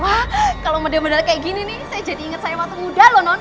wah kalau model model kayak gini nih saya jadi ingat saya waktu muda loh non